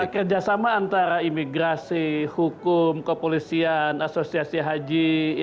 kerjasama antara imigrasi hukum kepolisian asosiasi haji